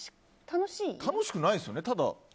楽しくないですよね。